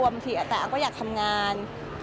บางทีอ้ำก็อยากทำงาน